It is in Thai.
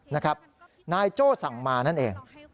นายโจ้สั่งมานั่นเอง